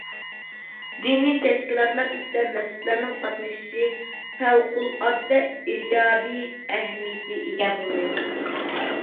دىنىي تەشكىلاتلار ئىچىدە، مەسچىتلەرنىڭ قاتنىشىشى پەۋقۇلئاددە ئىجابىي ئەھمىيىتى ئىگە بولغان.